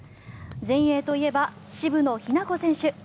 全英といえば渋野日向子選手。